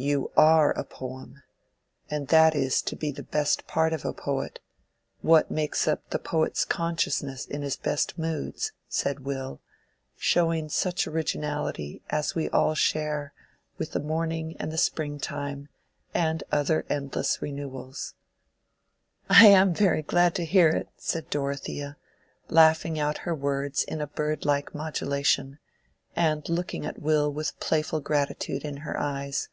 "You are a poem—and that is to be the best part of a poet—what makes up the poet's consciousness in his best moods," said Will, showing such originality as we all share with the morning and the spring time and other endless renewals. "I am very glad to hear it," said Dorothea, laughing out her words in a bird like modulation, and looking at Will with playful gratitude in her eyes.